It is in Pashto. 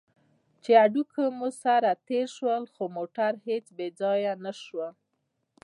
چې هډوکي مو سره تېر شول، خو موټر هېڅ بې ځایه نه شو.